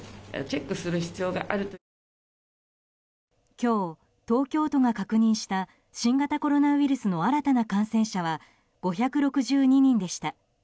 今日、東京都が確認した新型コロナウイルスの新たな感染者は５６２人でした。